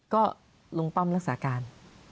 ก็ลุงป้อมรักษาการ